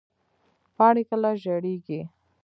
پاڼې کله ژیړیږي؟